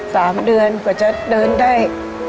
สามเดือนกว่าจะเดินได้